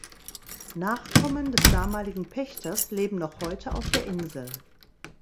Nachkommen des damaligen Pächters leben noch heute auf der Insel.